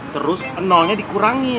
terus nolnya dikurangin